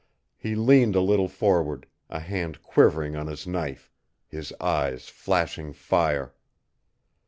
He leaned a little forward, a hand quivering on his knife, his eyes flashing fire.